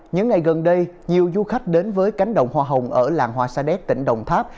những ngày gần đây nhiều du khách đến với cánh đồng hoa hồng ở làng hoa sa đéc tỉnh đồng tháp